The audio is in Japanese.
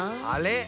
あれ？